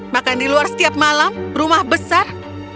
makan di luar setiap malam rumah besar